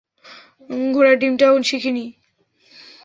ঘোড়ার ডিমটাও শিখিনি।